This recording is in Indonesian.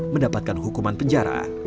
mendapatkan hukuman penjara